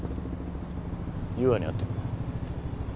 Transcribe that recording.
優愛に会ってくる。